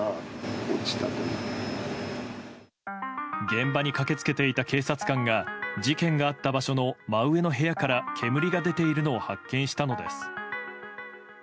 現場に駆け付けていた警察官が事件があった場所の真上の部屋から煙が出ているのを発見したのです。